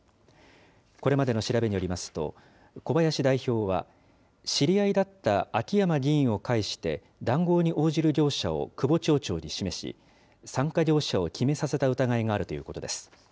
これまでの調べによりますと、小林代表は、知り合いだった秋山議員を介して談合に応じる業者を久保町長に示し、参加業者を決めさせた疑いがあるということです。